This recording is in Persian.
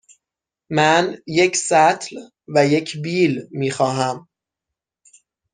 من یک سطل و یک بیل می خواهم.